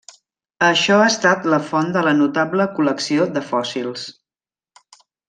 Això ha estat la font de la notable col·lecció de fòssils.